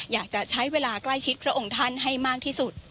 อยากจะใช้เวลาใกล้ชิดพระองค์ท่านให้มากที่สุด